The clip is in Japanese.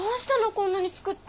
こんなに作って。